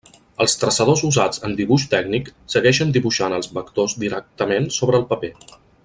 Els traçadors usats en dibuix tècnic segueixen dibuixant els vectors directament sobre el paper.